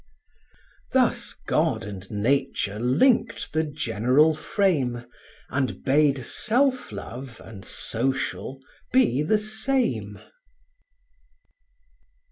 Thus God and Nature linked the general frame, And bade self love and social be the same.